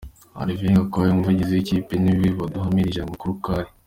Olivier Gakwaya, umuvugizi wiyi kipe ni we waduhamirije aya makuru ko ari.